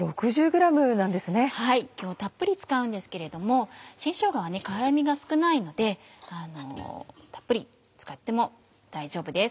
今日はたっぷり使うんですけれども新しょうがは辛みが少ないのでたっぷり使っても大丈夫です。